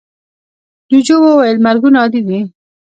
جوجو وویل مرگونه عادي دي.